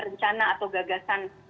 rencana atau gagasan